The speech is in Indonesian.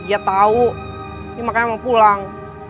dia tahu ini makanya mau pulang